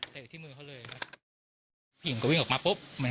ผู้หญิงก็วิ่งออกมาปุ๊บ